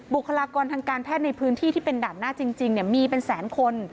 บุคลากรทางการแพทย์ในพื้นที่ที่เป็นด่านหน้าจริงมีเป็นแสนคน